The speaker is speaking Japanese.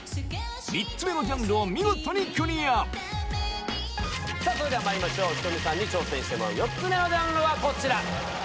３つ目のジャンルを見事にクリアそれではまいりましょうｈｉｔｏｍｉさんに挑戦してもらう４つ目のジャンルはこちら。